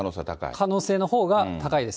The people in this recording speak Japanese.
可能性のほうが高いです。